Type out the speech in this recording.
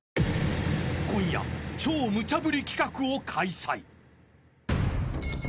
［今夜超むちゃ振り企画を開催］